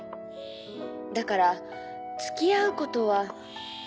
だから付き合うことは。